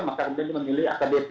maka kemudian memilih akbp